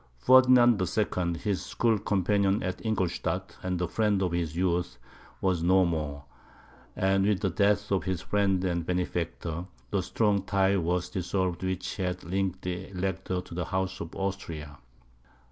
Ferdinand II., his school companion at Ingoldstadt, and the friend of his youth, was no more; and with the death of his friend and benefactor, the strong tie was dissolved which had linked the Elector to the House of Austria.